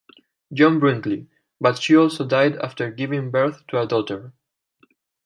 John Brinkley, but she also died after giving birth to a daughter.